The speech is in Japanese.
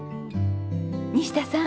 西田さん！